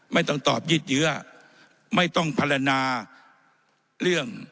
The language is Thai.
ไม่ต้องตอบยืดเยื้อไม่ต้องพัฒนาเรื่อง